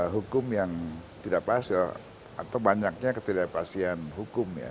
hukum yang tidak pasti atau banyaknya ketidakpastian hukum ya